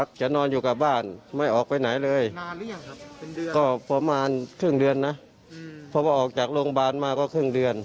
เพราะว่าออกจากโรงพยาบาลมาก็ครึ่งเดือน